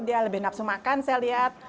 dia lebih nafsu makan saya lihat